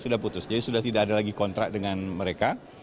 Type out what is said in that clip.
sudah putus jadi sudah tidak ada lagi kontrak dengan mereka